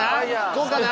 こうかな？